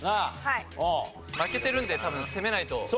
負けてるんで多分攻めないと。